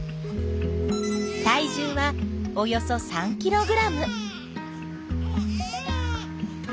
体重はおよそ３ｋｇ。